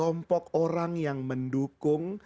kompok orang yang mendukung